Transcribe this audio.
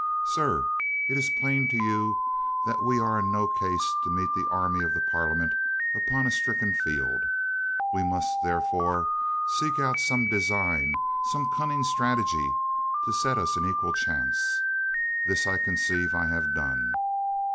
"Sir, it is plain to you that we are in no case to meet the army of the Parliament upon a stricken field. We must therefore seek out some design, some cunning strategy to set us an equal chance. This I conceive I have done."